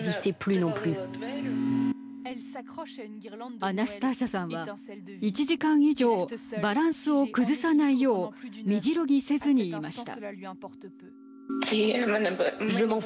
アナスターシャさんは１時間以上バランスを崩さないよう身じろぎせずにいました。